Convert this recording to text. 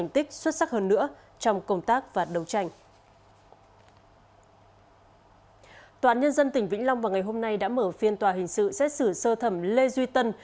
tòa án nhân dân tỉnh vĩnh long vào ngày hôm nay đã mở phiên tòa hình sự xét xử sơ thẩm lê duy tân